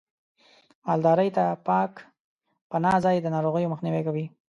مالدارۍ ته پاک پناه ځای د ناروغیو مخنیوی کوي.